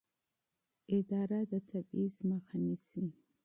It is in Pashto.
اداره د تبعیض مخه نیسي.